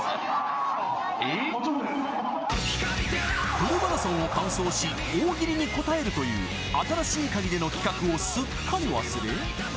フルマラソンを完走し大喜利にこたえるという新しいカギでの企画をすっかり忘れ。